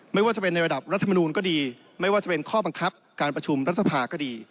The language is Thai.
ไม่ว่าจะเป็นในระดับรัฐมนูลก็ดีไม่ว่าจะเป็นข้อบังคับการประชุมรัฐสภาก็ดี